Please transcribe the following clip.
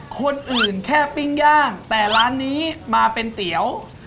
คนอื่นแค่ปิ้งย่างแต่ร้านนี้มาเป็นเตี๋ยว